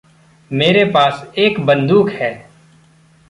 मेरे पास एक बंदूक है।